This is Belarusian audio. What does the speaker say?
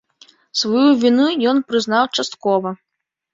Сваю віну ён прызнаў часткова.